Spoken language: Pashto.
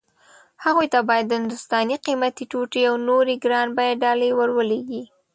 هغوی ته باید هندوستاني قيمتي ټوټې او نورې ګران بيه ډالۍ ور ولېږي.